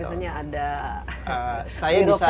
tapi biasanya ada birokrasi